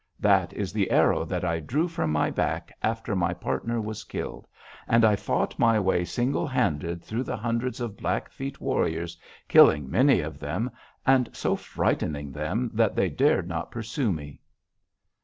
That is the arrow that I drew from my back after my partner was killed, and I fought my way single handed through the hundreds of Blackfeet warriors, killing many of them, and so frightening them that they dared not pursue me.'